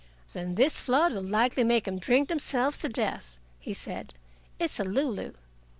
"Then this flood will likely make 'em drink themselves to death!" he said. "It's a lulu."